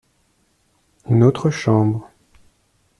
Notre chambre.